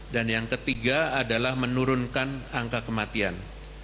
dan yang ketiga adalah menurunkan angka kematian